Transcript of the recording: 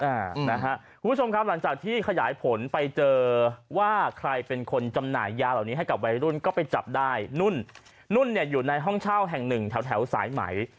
คุณผู้ชมครับหลังจากที่ขยายผลไปเจอว่าใครเป็นคนจำหน่ายยาเหล่านี้ให้กับวัยรุ่นก็ไปจับได้นุ่นนุ่นเนี่ยอยู่ในห้องเช่าแห่งหนึ่งแถวแถวสายไหม